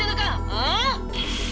ああ⁉」。